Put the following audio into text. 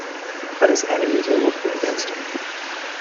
But his enemies were working against him.